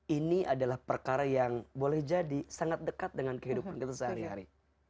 ini adalah perkara yang boleh jadi sangat dekat dengan kehidupan kita sehari hari